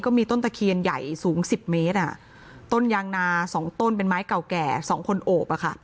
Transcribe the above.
มีต้นตะเคียนใหญ่สูงสิบเมตรอ่ะต้นยางนาสองต้นเป็นไม้เก่าแก่สองคนโอบอ่ะค่ะ